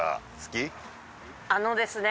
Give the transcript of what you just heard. あのですね